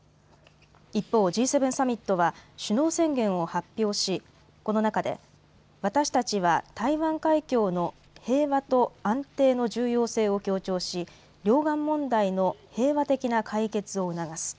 一方Ｇ７サミットは首脳宣言を発表しこの中で私たちは台湾海峡の平和と安定の重要性を強調し両岸問題の平和的な解決を促す。